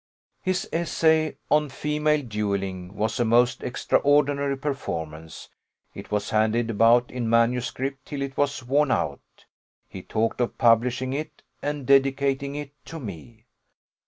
His essay on female duelling was a most extraordinary performance; it was handed about in manuscript till it was worn out; he talked of publishing it, and dedicating it to me.